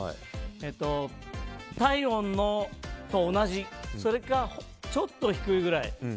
体温と同じ、それかちょっと低いぐらい。